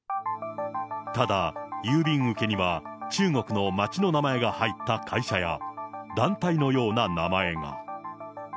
ただ郵便受けには中国の街の名前が入った会社や、団体のような名前が。